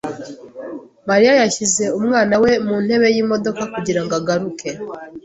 Mariya yashyize umwana we mu ntebe yimodoka kugirango aguruke.